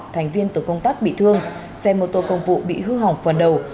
thành viên tổ công tác bị thương xe mô tô công vụ bị hư hỏng phần đầu